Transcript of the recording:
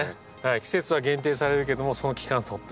季節は限定されるけどもその期間はとっても贅沢な。